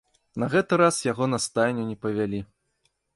На гэты раз яго на стайню не павялі.